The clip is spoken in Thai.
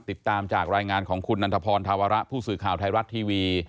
ติดตามจากรายงานของคุณนันทพรธาวระผู้สื่อข่าวไทยรัฐทีวี